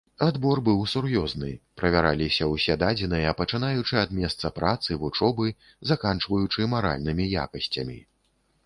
Адбор быў сур'ёзны, правяраліся ўсе дадзеныя, пачынаючы ад месца працы, вучобы, заканчваючы маральнымі якасцямі.